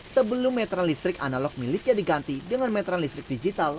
sebelum metra listrik analog miliknya diganti dengan metral listrik digital